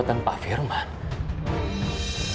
kau tak bisa mencoba